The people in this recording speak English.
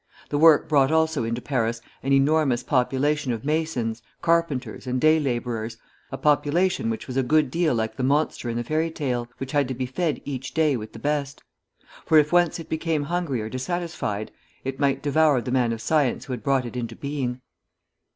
The work brought also into Paris an enormous population of masons, carpenters, and day laborers, a population which was a good deal like the monster in the fairy tale, which had to be fed each day with the best; for if once it became hungry or dissatisfied, it might devour the man of science who had brought it into being.